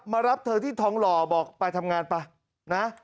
มารับเธอที่ทองหล่อบอกไปทำงานไปนะ